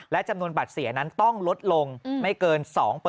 และจำนวนบัตรเสียนั้นต้องลดลงไม่เกิน๒